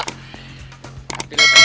tapi lo pengen